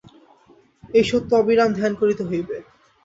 এই সত্য অবিরাম ধ্যান করিতে হইবে।